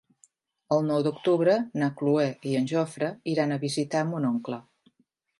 El nou d'octubre na Cloè i en Jofre iran a visitar mon oncle.